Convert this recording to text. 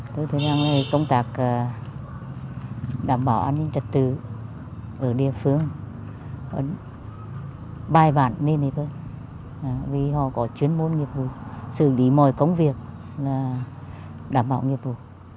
tới thời gian này công tác đảm bảo an ninh trật tự ở địa phương bài bản nên được vì họ có chuyên môn nghiệp vụ xử lý mọi công việc là đảm bảo nghiệp vụ